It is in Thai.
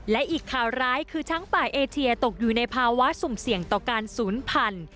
และอีกข่าวร้ายคือช้างป่าเอเชียตกอยู่ในภาวะสุ่มเสี่ยงต่อการศูนย์พันธุ์